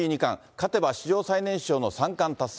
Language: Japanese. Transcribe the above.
勝てば史上最年少の三冠達成。